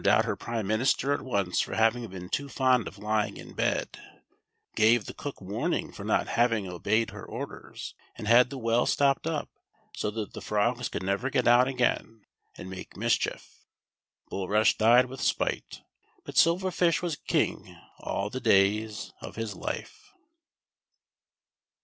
out her prime minister at once for having been too fond of h'ing in bed, gave the cook warning for not having obeyed her orders, and had the well stopped up, so that the frogs could never get out again, and make mischief Bulrush died with spite, but Silver Fish was ^ing all the days of his life.